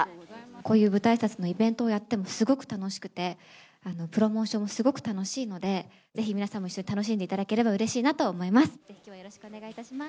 こういう舞台あいさつのイベントをやってもすごく楽しくて、プロモーションもすごく楽しいので、ぜひ、皆さんも一緒に楽しんでいただければ、うれしいなと思います。